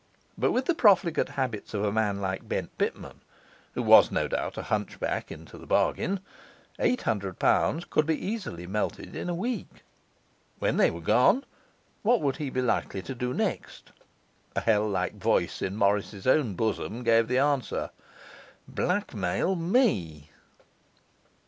But with the profligate habits of a man like Bent Pitman (who was no doubt a hunchback in the bargain), eight hundred pounds could be easily melted in a week. When they were gone, what would he be likely to do next? A hell like voice in Morris's own bosom gave the answer: 'Blackmail me.